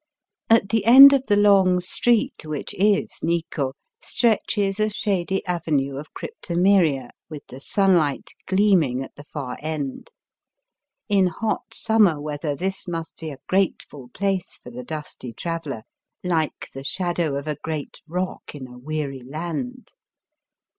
At the end of the long street which is Nikko stretches a shady avenue of cryptomeria, with the sunlight gleaming at the far end. In hot summer weather this must be a grateful place for the dusty traveller, like '^ the shadow of a great rock in a weary land."